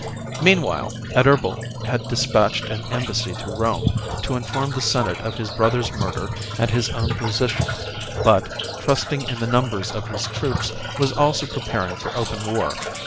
Mean time Adherbal had despatched an embassy to Rome to inform the Senate of his brother's murder and his own position, but, trusting in the numbers of his troops, was also preparing for open war.